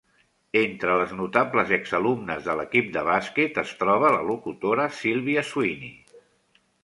Entre les notables ex-alumnes de l'equip de bàsquet es troba la locutora Sylvia Sweeney.